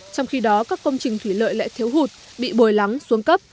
trong khi đó các công trình thủy lợi lại thiếu hụt bị bồi lắng xuống cấp